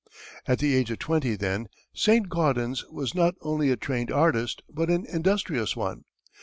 At the age of twenty, then, Saint Gaudens was not only a trained artist, but an industrious one.